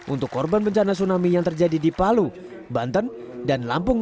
untuk korban bencana tsunami yang terjadi di palu banten dan lampung